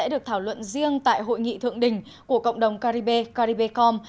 được thảo luận riêng tại hội nghị thượng đỉnh của cộng đồng caribe caribe com